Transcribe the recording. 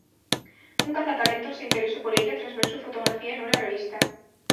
Un cazatalentos se interesó por ella tras ver su fotografía en una revista.